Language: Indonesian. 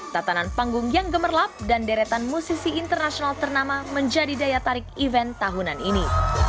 tatanan panggung yang gemerlap dan deretan musisi internasional ternama menjadi daya tarik event tahunan ini